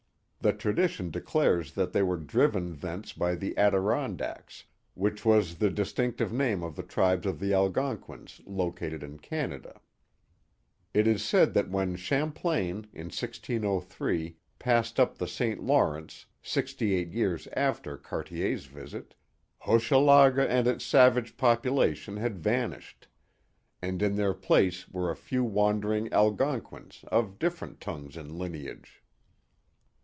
The tradition declares that they were driven thence by the Adirondacks, which was the distinctive name of the tribes of the Algonquins located in Canada. It is said that when Champlain, in 1603, passed up the St. Lawrence, sixty eight years after Cartier*s visit, Hochelaga and its savage population had vanished, and in their place were a few wandering Algonquins of diflferent tongues and lineage.